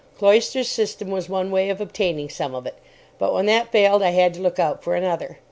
Cloyster's system was one way of obtaining some of it, but when that failed I had to look out for another.